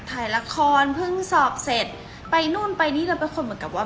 ถ่ายละครเพิ่งสอบเสร็จไปนู่นไปนี่แล้วเป็นคนเหมือนกับว่า